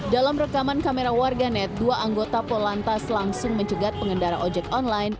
dalam rekaman kamera warganet dua anggota polantas langsung mencegat pengendara ojek online